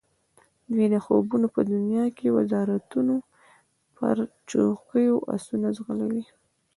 دوی د خوبونو په دنیا کې د وزارتونو پر چوکیو آسونه ځغلولي.